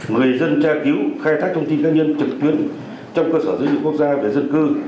người dân tra cứu khai thác thông tin cá nhân trực tuyến trong cơ sở dữ liệu quốc gia về dân cư